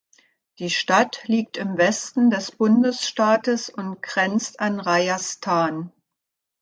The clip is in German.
Die Stadt liegt im Westen des Bundesstaates und grenzt an Rajasthan.